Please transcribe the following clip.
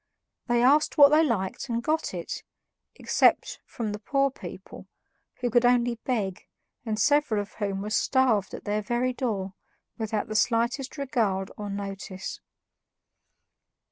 They asked what they liked and got it, except from the poor people, who could only beg, and several of whom were starved at their very door without the slightest regard or notice.